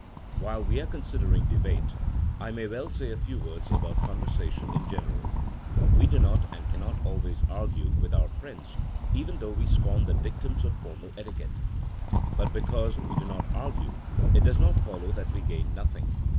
While we are considering debate, I may well say a few words about conversation in general. We do not and cannot always argue with our friends, even though we scorn the dictums of formal etiquette. But because we do not ar gue, it does not follow that we gain nothing.